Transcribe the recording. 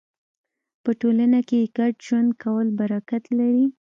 په ټولنه کې ګډ ژوند کول برکت لري.